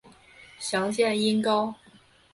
详见音高。